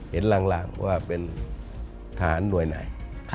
หลังว่าเป็นทหารหน่วยไหน